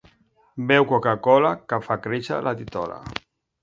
Beu coca-cola, que fa créixer la titola.